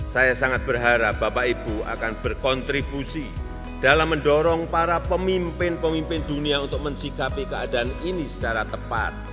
saya sangat berharap bapak ibu akan berkontribusi dalam mendorong para pemimpin pemimpin dunia untuk mensikapi keadaan ini secara tepat